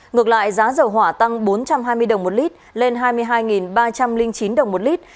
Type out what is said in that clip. ngược lại giá dầu hỏa tăng bốn trăm hai mươi đồng một lít lên hai mươi hai ba trăm linh chín đồng một lít